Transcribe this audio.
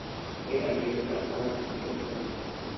muri amerika haba irondaruhu